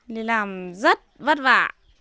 đi làm rất vất vả